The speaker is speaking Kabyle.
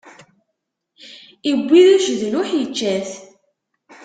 Iwwi d acedluḥ, ičča t.